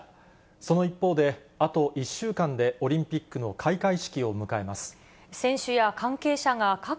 その一方で、あと１週間でオリンピックの開会式を迎えます。